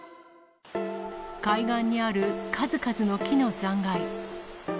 海岸にある数々の木の残骸。